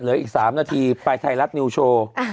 เหลืออีก๓นาทีไปไทยรัฐนิวโชว์